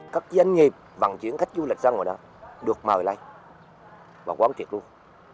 các doanh nghiệp vận chuyển khách du lịch ra ngoài đó được mời lại và quán thiệt luôn